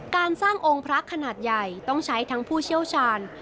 การสร้างองค์พระขนาดใหญ่ต้องใช้ทั้งผู้เชี่ยวชาญ